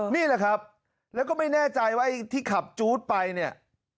นี่แหละครับแล้วก็ไม่แน่ใจว่าไอ้ที่ขับจู๊ดไปเนี่ย